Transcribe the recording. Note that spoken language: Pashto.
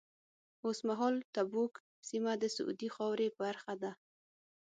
اوس مهال تبوک سیمه د سعودي خاورې برخه ده.